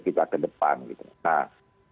kita ke depan nah